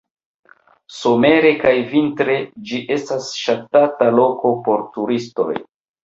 Somere kaj vintre ĝi estas ŝatata loko por turistoj.